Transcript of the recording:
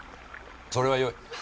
それはよい。